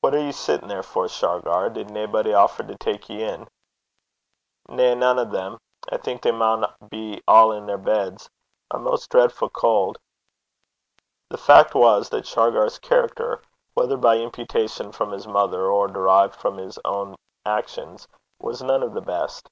'What are ye sittin' there for, Shargar? Did naebody offer to tak ye in?' 'Na, nane o' them. I think they maun be a' i' their beds. I'm most dreidfu' cauld.' The fact was, that Shargar's character, whether by imputation from his mother, or derived from his own actions, was none of the best.